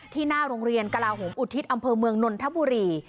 หน้าโรงเรียนกลาโหมอุทิศอำเภอเมืองนนทบุรี